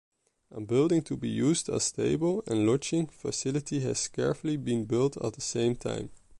A building to be used as stable and lodging facility has carefully been built at the same time.